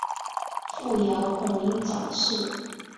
父姚孔瑛早逝。